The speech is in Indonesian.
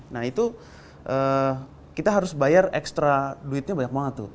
nah itu kita harus bayar ekstra duitnya banyak banget tuh